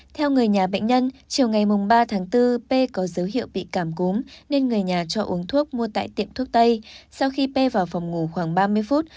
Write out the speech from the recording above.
theo người nhà bệnh nhân chiều ngày ba tháng bốn p có dấu hiệu bị cảm cúm nên người nhà cho uống thuốc mua tại tiệm thuốc tây sau khi p vào phòng ngủ khoảng ba mươi phút